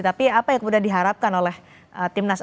tapi apa yang kemudian diharapkan oleh timnas